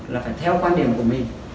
là phải theo quan điểm của mình